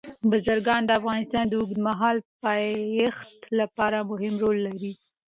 بزګان د افغانستان د اوږدمهاله پایښت لپاره مهم رول لري.